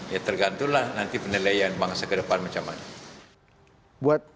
ya tergantulah nanti penilaian bangsa ke depan macam mana